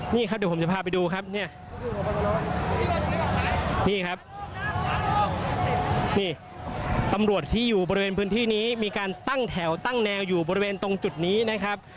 นี่ครับเดี๋ยวผมจะพาไปดูครับเนี่ยนี่ครับนี่ตำรวจที่อยู่บริเวณพื้นที่นี้มีการตั้งแถวตั้งแนวอยู่บริเวณตรงจุดนี้นะครับ